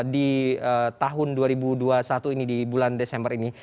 di tahun dua ribu dua puluh satu ini di bulan desember ini